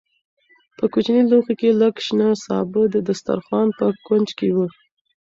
په کوچني لوښي کې لږ شنه سابه د دسترخوان په کونج کې وو.